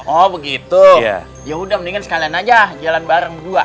oh begitu yaudah mendingan sekalian aja jalan bareng juga